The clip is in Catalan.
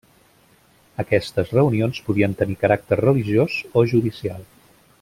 Aquestes reunions podien tenir caràcter religiós o judicial.